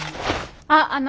あっあの。